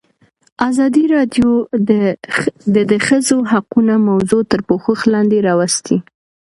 ازادي راډیو د د ښځو حقونه موضوع تر پوښښ لاندې راوستې.